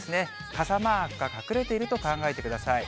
傘マークが隠れていると考えてください。